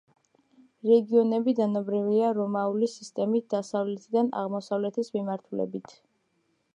რეგიონები დანომრილია რომაული სისტემით დასავლეთიდან აღმოსავლეთის მიმართულებით.